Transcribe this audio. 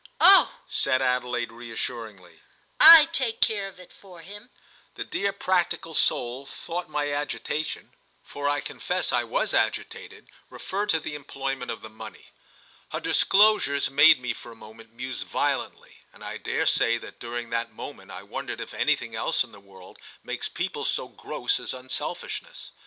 "Oh," said Adelaide reassuringly, "I take care of it for him!" The dear practical soul thought my agitation, for I confess I was agitated, referred to the employment of the money. Her disclosure made me for a moment muse violently, and I dare say that during that moment I wondered if anything else in the world makes people so gross as unselfishness.